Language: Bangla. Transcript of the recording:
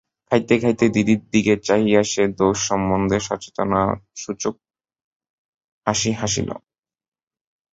খাইতে খাইতে দিদির দিকে চাহিয়া সে দোষ সম্বন্ধে সচেতনতাসূচক হাসি হাসিল।